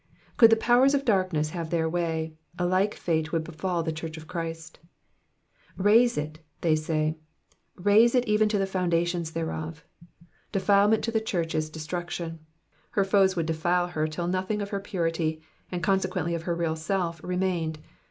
Could the powers of darkness* huve their way, a like fate would befall the church of Christ. *' Rase it,'' say they, rase it even to the foundation thereof.'' Defilement to the church is destruction ; her foes would defile her till nothing of her purity, and consequently of her real self, remained.